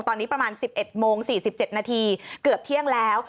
ตอนนี้ประมาณ๑๑โมง๔๗นาทีเกือบเที่ยงแล้ว